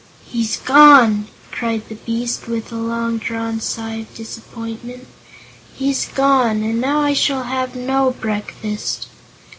"He's gone!" cried the beast, with a long drawn sigh of disappointment; "he's gone, and now I shall have no breakfast."